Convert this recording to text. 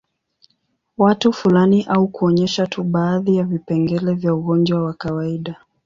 Watu fulani au kuonyesha tu baadhi ya vipengele vya ugonjwa wa kawaida